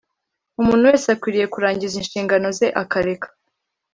umuntu wese akwiriye kurangiza inshingano ze akareka